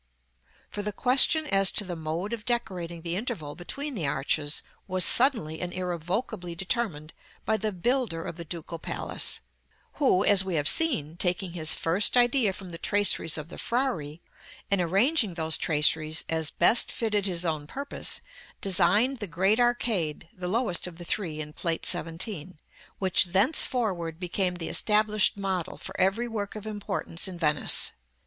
For the question as to the mode of decorating the interval between the arches was suddenly and irrevocably determined by the builder of the Ducal Palace, who, as we have seen, taking his first idea from the traceries of the Frari, and arranging those traceries as best fitted his own purpose, designed the great arcade (the lowest of the three in Plate XVII.), which thenceforward became the established model for every work of importance in Venice.